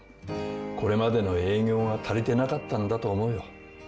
これまでの営業が足りてなかったんだと思うよ。